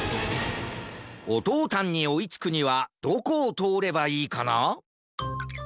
オトータンにおいつくにはどこをとおればいいかな？